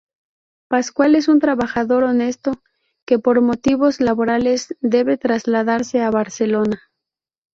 Pascual es un trabajador honesto que, por motivos laborales, debe trasladarse a Barcelona.